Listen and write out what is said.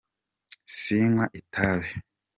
sinkwa itabi